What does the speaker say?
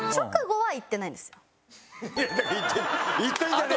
はい。